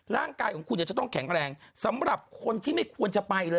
ร่างกายของคุณจะต้องแข็งแรงสำหรับคนที่ไม่ควรจะไปเลย